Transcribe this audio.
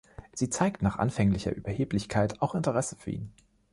Sie zeigt nach anfänglicher Überheblichkeit auch Interesse für ihn.